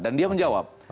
dan dia menjawab